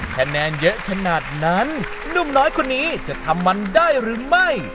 คะแนนเยอะขนาดนั้นนุ่มน้อยคนนี้จะทำมันได้หรือไม่